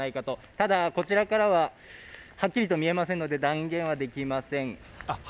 ただ、こちらからははっきりと見えませんので断言はできません。